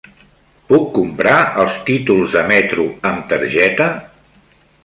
Puc comprar els títols de metro amb targeta?